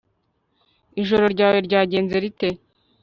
ijoro ryawe ryagenze rite